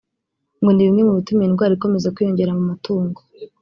ngo ni bimwe mu bituma iyi ndwara ikomeza kwiyongera mu matungo